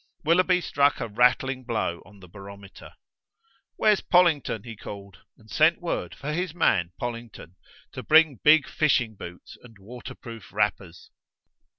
Willoughby struck a rattling blow on the barometer. "Where's Pollington?" he called, and sent word for his man Pollington to bring big fishing boots and waterproof wrappers.